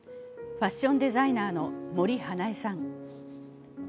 ファッションデザイナーの森英恵さん。